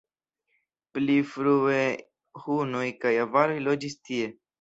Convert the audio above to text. Pli frue hunoj kaj avaroj loĝis tie.